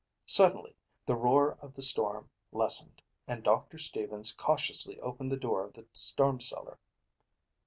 Suddenly the roar of the storm lessened and Doctor Stevens cautiously opened the door of the storm cellar.